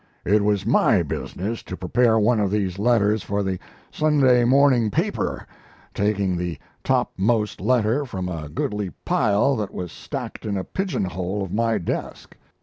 It was my business to prepare one of these letters for the Sunday morning paper, taking the topmost letter from a goodly pile that was stacked in a pigeon hole of my desk.